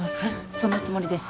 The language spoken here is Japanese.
そのつもりです。